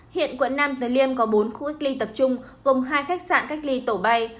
hiện quận năm tới liêm có bốn khu cách ly tập trung gồm hai khách sạn cách ly tổ bay